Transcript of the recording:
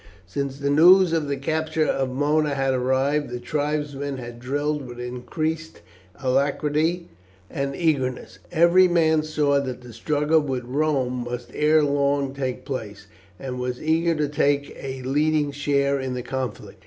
Since the news of the capture of Mona had arrived, the tribesmen had drilled with increased alacrity and eagerness. Every man saw that the struggle with Rome must ere long take place, and was eager to take a leading share in the conflict.